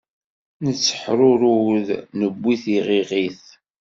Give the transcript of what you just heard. Netteḥrurud newwi tiɣiɣit.